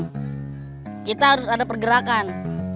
kita harus ada pergerakan